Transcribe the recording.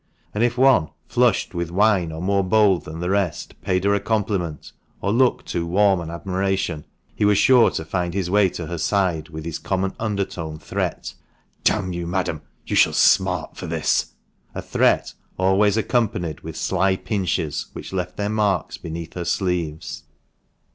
And if one, flushed with wine, or more bold than the rest, paid her a compliment, or looked too warm an admiration, he was sure to find his way to her side with his common undertone threat — "D n you, madam, you shall smart for this!" — a threat always accompanied with sly pinches, which left their marks beneath her sleeves.